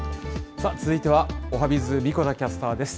さあ、続いてはおはＢｉｚ、神子田キャスターです。